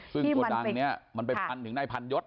ซึ่งโกดังนี้มันไปพันถึงนายพันยศ